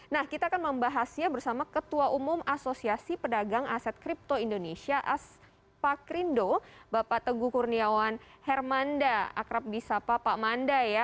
nah kita akan membahasnya bersama ketua umum asosiasi pedagang aset kripto indonesia as pak rindo bapak teguh kurniawan hermanda akrabbisa pak manda ya